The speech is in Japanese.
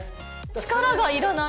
力がいらない。